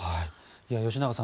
吉永さん